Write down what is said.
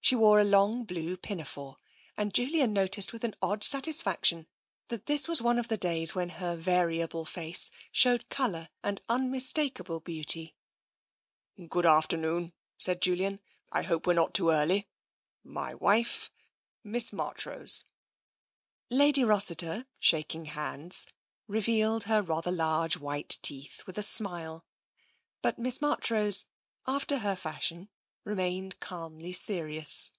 She wore a long blue pina fore, and Julian noticed with an odd satisfaction that 52 TENSION this was one of the days when her variable face showed colour and unmistakable beauty. " Good afternoon," said Julian. '* I hope we are not too early. My wife — Miss Marchrose." Lady Rossiter, shaking hands, revealed her rather large white teeth in a smile, but Miss Marchrose, after her fashion, remained calmly serious.